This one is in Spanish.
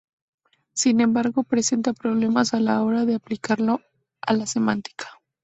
Sin embargo, presenta problemas a la hora de aplicarlo a la semántica.